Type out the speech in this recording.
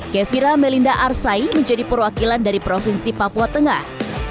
kevira melinda arsai menjadi perwakilan dari provinsi papua tengah